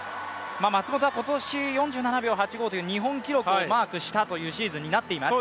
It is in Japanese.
松元は今年４７秒８５という日本記録をマークしたシーズンとなっています。